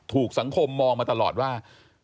สังคมมองมาตลอดว่า